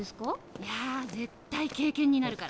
いや絶対経験になるから。